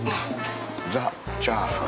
ザ・チャーハン。